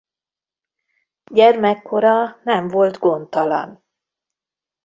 Gyermekkora nem volt gondtalan.